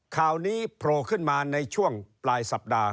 ข่าวนี้โผล่ขึ้นมาในช่วงปลายสัปดาห์